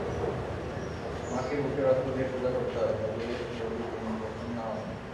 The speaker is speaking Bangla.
মাকে বুকের রক্ত দিয়ে পুজো করতে হয়, তবে যদি তিনি প্রসন্না হন।